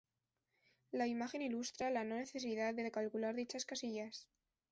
La imagen ilustra la no necesidad de calcular dichas casillas.